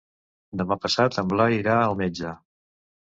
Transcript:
Demà passat en Blai irà al metge.